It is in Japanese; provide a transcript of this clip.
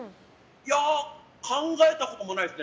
いや、考えたこともないですね